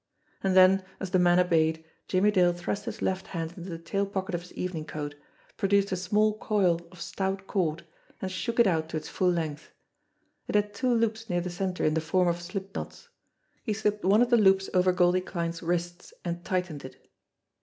And then as the man obeyed, Jimmy Dale thrust his left hand into the tail pocket of his evening coat, pro duced a small coil of stout cord, and shook it out to its full length. It had two loops near the centre in the form of slip knots. He slipped one of the loops over Goldie Kline's wrists, and tightened it.